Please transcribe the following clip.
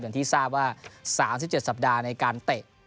อย่างที่ทราบว่า๓๗สัปดาห์ในการเตะ